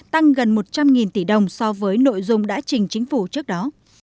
tăng gần một trăm linh tỷ đồng so với nội dung đã trình chính phủ trước đó